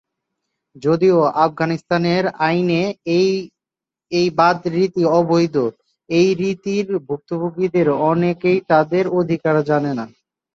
যদিও আফগানিস্তানের আইনে এই বাদ রীতি অবৈধ, এই রীতির ভুক্তভোগীদের অনেকেই তাদের অধিকার জানে না।